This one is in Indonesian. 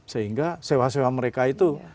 sehingga sewa sewa mereka itu